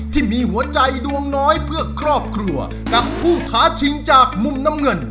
ที่มีหัวใจดวงน้อยเพื่อครอบครัวกับผู้ท้าชิงจากมุมน้ำเงิน